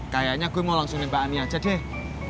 kayaknya gue mau langsung nembak ani aja deh